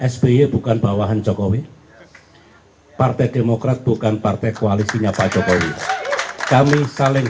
sby bukan bawahan jokowi partai demokrat bukan partai koalisinya pak jokowi kami saling